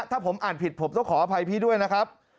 ถ้าผมอ่านผิดผมต้องขออภัยพี่ด้วยนะครับ